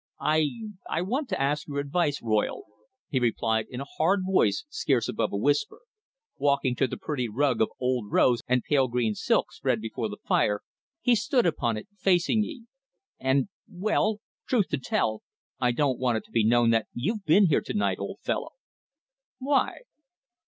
"I I want to ask your advice, Royle," he replied in a hard voice scarce above a whisper. Walking to the pretty rug of old rose and pale green silk spread before the fire he stood upon it, facing me. "And well, truth to tell, I don't want it to be known that you've been here to night, old fellow." "Why?"